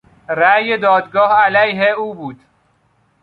رای دادگاه علیه او بود.